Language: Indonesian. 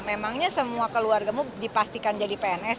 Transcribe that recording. memangnya semua keluargamu dipastikan jadi pns